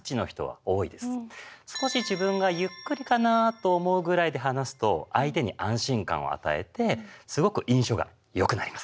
少し自分がゆっくりかなと思うぐらいで話すと相手に安心感を与えてすごく印象が良くなります。